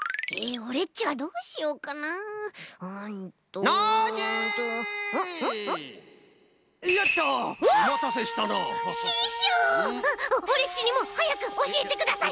オレっちにもはやくおしえてください。